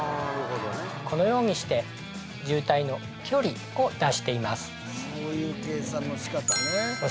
このようにして渋滞の距離を出しています